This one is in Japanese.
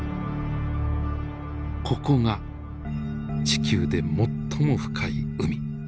ここが地球で最も深い海。